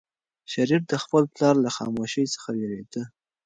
شریف د خپل پلار له خاموشۍ څخه وېرېده.